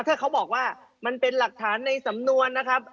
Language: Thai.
ถ้าเขาบอกว่ามันเป็นหลักฐานในสำนวนนะครับ